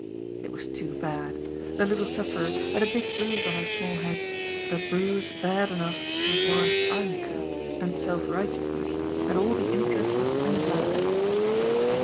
It was too bad. The little sufferer had a big bruise on her small head, a bruise bad enough to warrant arnica, and self righteousness and all the interest of invalidism.